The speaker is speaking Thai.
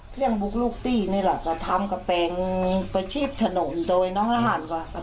ชาวบ้านตั้งขึ้นไปประทวงที่